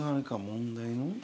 問題の？